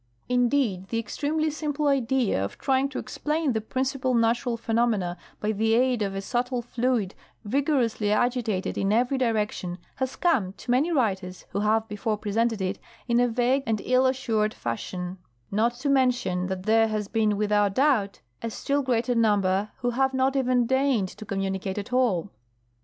Indeed, the extremely simple idea of trying to explain the principal natural phenomena by the aid of a sub tle fluid vigorously agitated in every direction has come to many writers who have before presented it in a vague and ill assured fashion, not to mention that there has been without doubt a still greater number who have not even deigned to communicate at all.